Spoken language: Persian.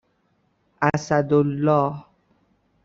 اسدالله